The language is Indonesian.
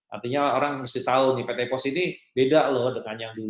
artinya orang mesti tahu nih pt pos ini beda loh dengan yang dulu